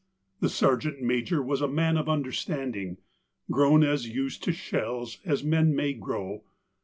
The sergeant major was a man of understanding, grown as used to shells as man may grow.